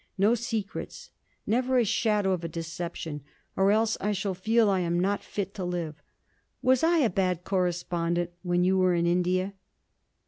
No secrets, never a shadow of a deception, or else I shall feel I am not fit to live. Was I a bad correspondent when you were in India?'